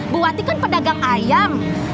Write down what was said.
bu wati kan pedagang ayam